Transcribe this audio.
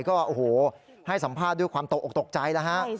ก็โอ้โหให้สัมภาษณ์ด้วยความตกใจแล้ว